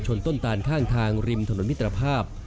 ต้นตานข้างทางริมถนนมิตรภาพ